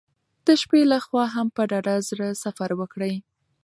د شپې له خوا هم په ډاډه زړه سفر وکړئ.